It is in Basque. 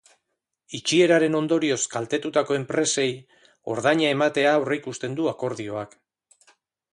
Itxieraren ondorioz kaltetutako enpresei ordaina ematea aurreikusten du akordioak.